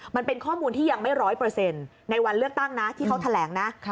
มันเป็นข้อมูลที่ยังไม่๑๐๐ในวันเลือกตั้งที่เขาแถลงนะ